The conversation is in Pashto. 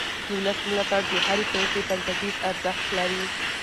د ولس ملاتړ د هرې پرېکړې بنسټیز ارزښت لري